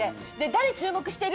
「誰注目してる？」